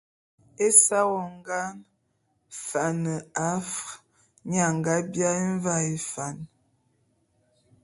Ésa wongan Fan Afr, nye a nga biaé Mvaé Fan.